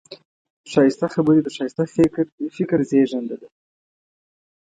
ښایسته خبرې د ښایسته فکر زېږنده ده